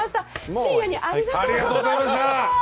深夜にありがとうございました。